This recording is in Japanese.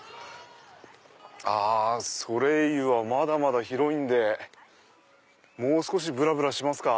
あソレイユはまだまだ広いんでもう少しぶらぶらしますか。